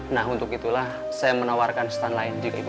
nah untuk itulah saya menawarkan stun lain juga ibu